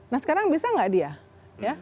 nah sekarang bisa enggak dia ya